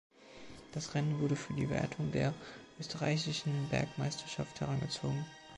Das Rennen wurde für die Wertung der Österreichischen Bergmeisterschaft herangezogen.